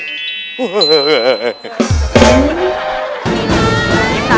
เฮ้อเฮ้อเฮ้อเฮ้อเฮ้อเฮ้อ